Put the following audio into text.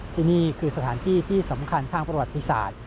ที่นี่คือสถานที่ที่สำคัญทางประวัติศาสตร์